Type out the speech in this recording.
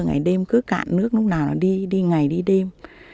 ngày đêm cứ cạn nước lúc nào nó đi đi ngày đi đêm